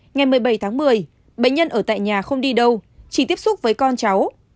ngày một mươi bảy tháng một mươi bệnh nhân ở tại nhà không đi đâu chỉ tiếp xúc với con cháu